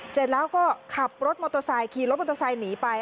เสร็จแล้วก็ขับรถมอเตอร์ไซค์ขี่รถมอเตอร์ไซค์หนีไป